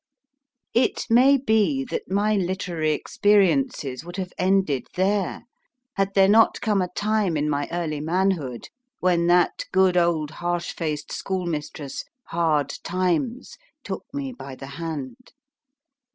It may be that my literary experiences would have ended there had there not come a time in my early manhood when that good old harsh faced schoolmistress, Hard Times, took me by the hand.